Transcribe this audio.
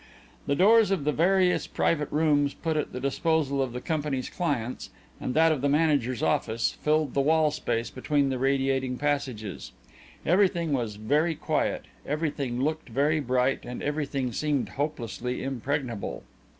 The doors of the various private rooms put at the disposal of the company's clients, and that of the manager's office, filled the wall space between the radiating passages. Everything was very quiet, everything looked very bright, and everything seemed hopelessly impregnable.